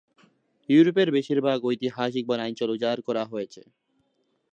ইউরোপের বেশিরভাগ ঐতিহাসিক বনাঞ্চল উজাড় করা হয়েছে।